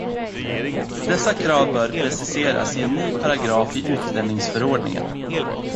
Dessa krav bör preciseras i en ny paragraf i utlänningsförordningen.